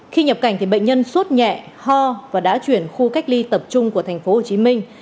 khi nhập cảnh bệnh nhân suốt nhẹ ho và đã chuyển khu cách ly tập trung của thành phố hồ chí minh